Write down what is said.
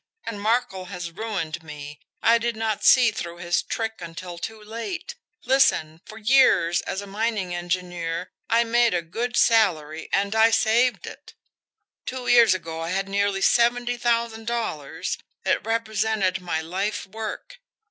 And Markel has ruined me I did not see through his trick until too late. Listen! For years, as a mining engineer, I made a good salary and I saved it. Two years ago I had nearly seventy thousand dollars it represented my life work.